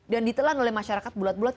dan ditelan oleh masyarakat bulat bulat